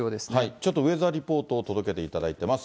ちょっとウェザーリポートを届けていただいてます。